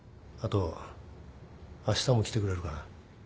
あとあしたも来てくれるかな。